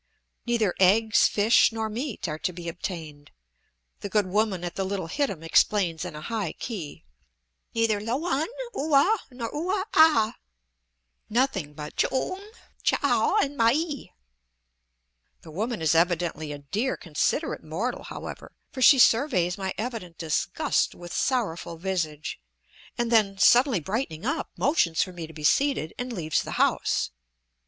Neither eggs, fish, nor meat are to be obtained, the good woman at the little hittim explains in a high key; neither loan, ue, nor ue ah, nothing but ch'ung ch'a and mai. The woman is evidently a dear, considerate mortal, however, for she surveys my evident disgust with sorrowful visage, and then, suddenly brightening up, motions for me to be seated and leaves the house.